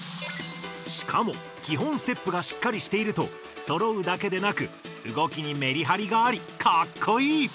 しかも基本ステップがしっかりしているとそろうだけでなく動きにメリハリがありカッコイイ！